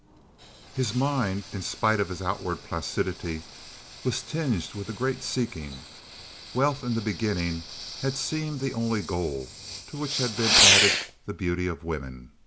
His mind, in spite of his outward placidity, was tinged with a great seeking. Wealth, in the beginning, had seemed the only goal, to which had been added the beauty of women.